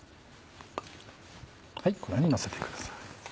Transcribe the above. はいこのようにのせてください。